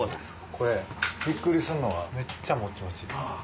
これビックリするのはめっちゃもちもち。